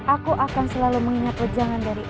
aku akan selalu mengingat perjalanan dari ea